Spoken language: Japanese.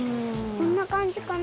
こんなかんじかな。